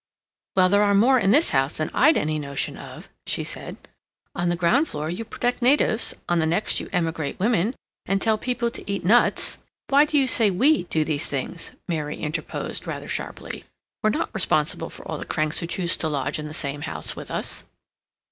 "Well, there are more in this house than I'd any notion of," she said. "On the ground floor you protect natives, on the next you emigrate women and tell people to eat nuts—" "Why do you say that 'we' do these things?" Mary interposed, rather sharply. "We're not responsible for all the cranks who choose to lodge in the same house with us."